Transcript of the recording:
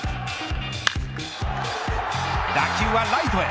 打球はライトへ。